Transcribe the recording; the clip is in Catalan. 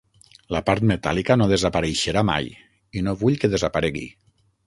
La part metàl·lica no desapareixerà mai, i no vull que desaparegui.